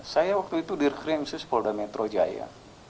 saya waktu itu di rekrim suspo dan metro jaya